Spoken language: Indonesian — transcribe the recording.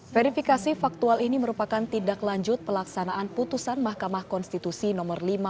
verifikasi faktual ini merupakan tidak lanjut pelaksanaan putusan mahkamah konstitusi no lima puluh tiga